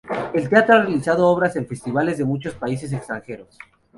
El teatro ha realizado obras en festivales de muchos países extranjeros.